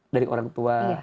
dari orang tua